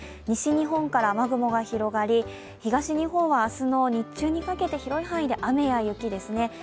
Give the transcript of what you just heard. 西日本から雨雲が広がり、東日本は明日の日中にかけて広い範囲で雨や雪ですね。